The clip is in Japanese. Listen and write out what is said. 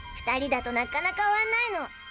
２人だとなかなか終わんないの。